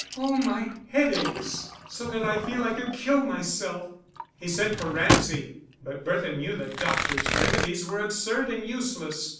"Oh, my head aches, so that I feel I could kill myself." He sent for Ramsay, but Bertha knew the doctor's remedies were absurd and useless.